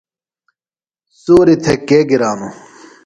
سُوریۡ تھےۡ کے گرانوۡ؟